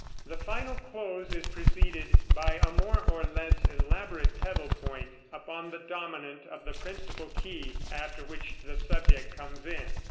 The final close is preceded by a more or less elaborate pedal point upon the dominant of the principal key, after which the subject comes in.